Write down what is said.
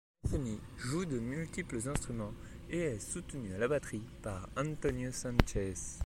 Metheny joue de multiples instruments, et est soutenu à la batterie par Antonio Sanchez.